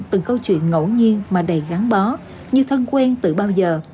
từng câu chuyện ngẫu nhiên mà đầy gắn bó như thân quen từ bao giờ